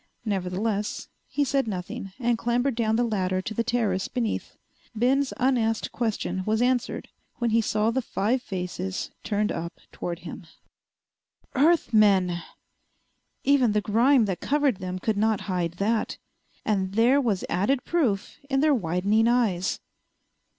Nevertheless he said nothing and clambered down the ladder to the terrace beneath. Ben's unasked question was answered when he saw the five faces turned up toward him. Earth men! Even the grime that covered them could not hide that. And there was added proof in their widening eyes.